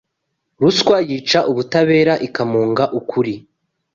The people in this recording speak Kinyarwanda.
Ruswa yica ubutabera ikamunga ukuri